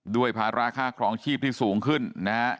ภาระค่าครองชีพที่สูงขึ้นนะฮะ